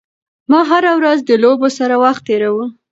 ما هره ورځ د لوبو سره وخت تېراوه.